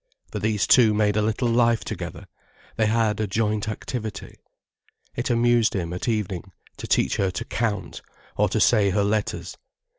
For these two made a little life together, they had a joint activity. It amused him, at evening, to teach her to count, or to say her letters.